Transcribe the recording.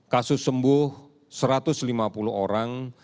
kasus sembuh satu ratus lima puluh orang